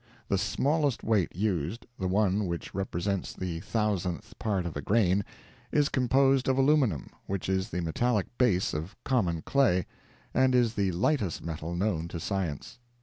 The smallest weight used—the one which represents the thousandth part of a grain—is composed of aluminum, which is the metallic base of common clay, and is the lightest metal known to science.